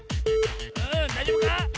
うんだいじょうぶか？